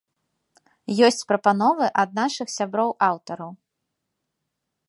Ёсць прапановы ад нашых сяброў-аўтараў.